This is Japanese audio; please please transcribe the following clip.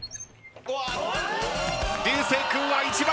流星君は１番。